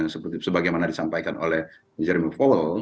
seperti sebagaimana disampaikan oleh jeremy faull